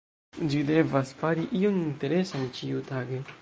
Ĝi devas fari ion interesan ĉiutage.